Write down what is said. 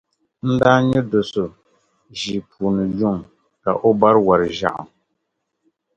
n daa nya do’ so ʒii puuni yuŋ ka o bari wɔri ʒiɛɣu.